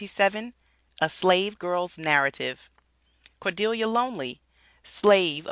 A SLAVE GIRL'S NARRATIVE. CORDELIA LONEY, SLAVE OF MRS.